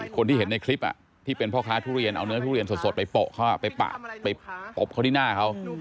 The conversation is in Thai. คนที่เห็นในคลิปที่เป็นพ่อค้าทุเรียนเอาเนื้อทุเรียนสดไปเปลี่ยนเขา